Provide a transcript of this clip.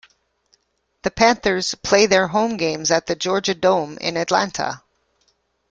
The Panthers play their home games at the Georgia Dome in Atlanta.